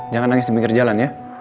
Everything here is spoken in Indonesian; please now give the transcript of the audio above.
jangan nangis di pinggir jalan ya